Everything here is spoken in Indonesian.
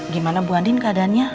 gimana bu andin keadaannya